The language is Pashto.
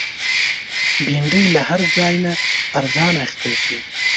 بېنډۍ له هر ځای نه ارزانه اخیستل کېږي